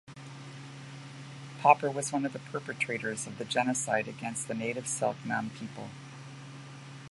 Popper was one of the perpetrators of the genocide against the native Selk'nam people.